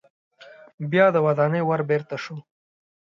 بیا د ودانۍ ور بیرته شو.